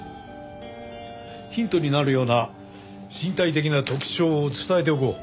ヒントになるような身体的な特徴を伝えておこう。